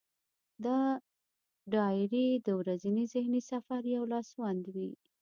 دا ډایري د ورځني ذهني سفر یو لاسوند وي.